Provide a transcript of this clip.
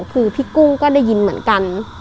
คือพี่กุ้งก็ได้ยินเหมือนกัน